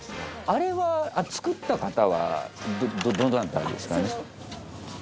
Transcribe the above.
あれは作った方はどなたですか？